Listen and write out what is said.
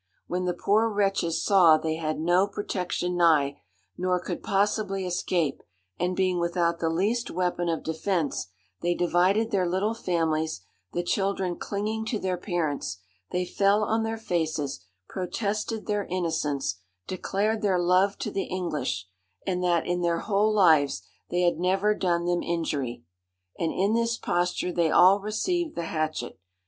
When the poor wretches saw they had no protection nigh, nor could possibly escape, and being without the least weapon of defence, they divided their little families, the children clinging to their parents; they fell on their faces, protested their innocence, declared their love to the English, and that, in their whole lives, they had never done them injury; and in this posture they all received the hatchet!